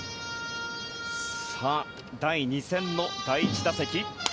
さあ、第２戦の第１打席。